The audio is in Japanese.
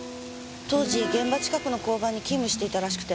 当時現場近くの交番に勤務していたらしくて。